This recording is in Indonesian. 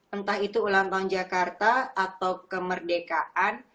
entah itu ulang tahun jakarta atau kemerdekaan